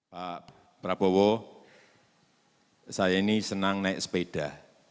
pak prabowo saya ini senang naik sepeda